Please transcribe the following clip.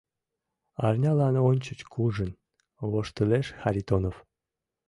— Арнялан ончыч куржын, — воштылеш Харитонов.